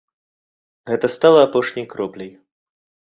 Гэта стала апошняй кропляй.